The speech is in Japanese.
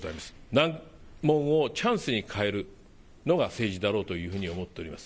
難問をチャンスに変えるのが政治だろうというふうに思っています。